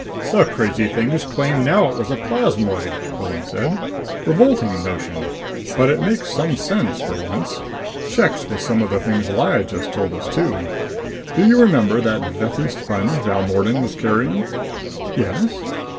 "The crazy things claim now it was a plasmoid," Quillan said, "Revolting notion! But it makes some sense for once. Checks with some of the things Lyad just told us, too. Do you remember that Vethi sponge Balmordan was carrying?" "Yes."